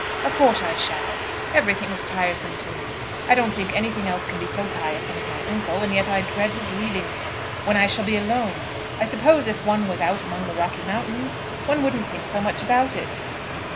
"Of course I shall. Everything is tiresome to me. I don't think anything else can be so tiresome as my uncle, and yet I dread his leaving me, when I shall be alone. I suppose if one was out among the Rocky Mountains, one wouldn't think so much about it."